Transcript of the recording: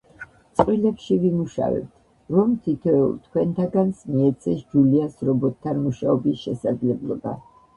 წყვილებში ვიმუშავებთ, რომ თითოეულ თქვენთაგანს მიეცეს ჯულიას რობოტთან მუშაობის შესაძლებლობა.